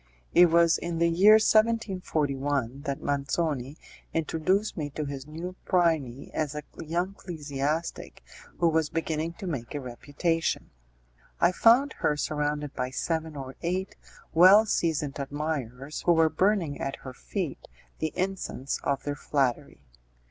It was in the year 1741 that M. Manzoni introduced me to this new Phryne as a young ecclesiastic who was beginning to make a reputation. I found her surrounded by seven or eight well seasoned admirers, who were burning at her feet the incense of their flattery.